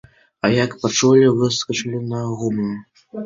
А як пачулі, выскачылі на гумно.